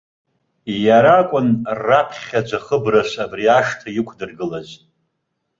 Иара акәын раԥхьаӡа хыбрас абри ашҭа иқәдыргылаз.